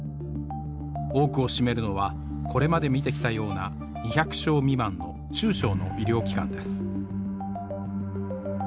多くを占めるのはこれまで見てきたような２００床未満の中小の医療機関です。